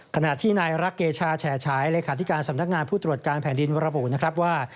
ขณะที่นายรักเกชาแฉฉายเลขาธิการสำนักงานผู้ตรวจการแผ่นดินระบุนะครับว่า